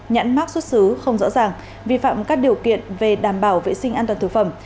nhãn mắc xuất xứ không rõ ràng vi phạm các điều kiện về đảm bảo vệ sinh an toàn thực phẩm